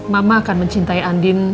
mama akan mencintai andin